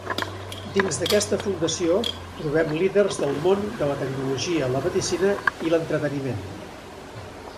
Dins d'aquesta fundació trobem líders del món de la tecnologia, la medicina i l'entreteniment.